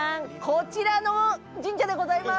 こちらの神社でございます。